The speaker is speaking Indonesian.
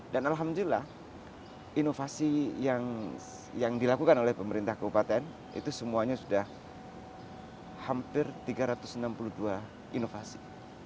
dan alhamdulillah inovasi yang dilakukan oleh pemerintah keupatan itu semuanya sudah hampir tiga ratus enam puluh dua inovasi